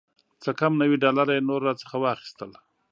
څه کم نوي ډالره یې نور راڅخه واخیستل.